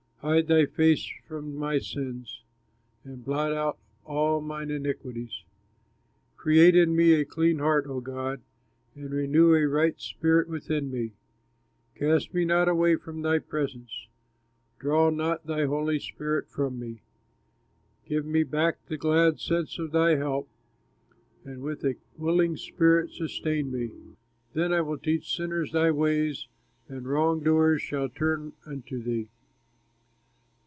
Hide thy face from my sins, And blot out all mine iniquities. Create in me a clean heart, O God, And renew a right spirit within me. Cast me not away from thy presence, Withdraw not thy holy spirit from me. Give me back the glad sense of thy help, And with a willing spirit sustain me. Then I will teach sinners thy ways, And wrong doers shall turn unto thee.